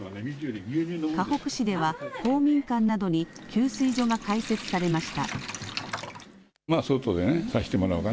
かほく市では公民館などに給水所が開設されました。